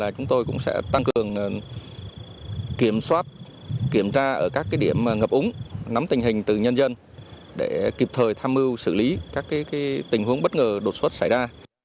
chúng tôi cũng sẽ tăng cường kiểm soát kiểm tra ở các điểm ngập úng nắm tình hình từ nhân dân để kịp thời tham mưu xử lý các tình huống bất ngờ đột xuất xảy ra